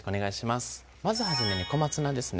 まず初めに小松菜ですね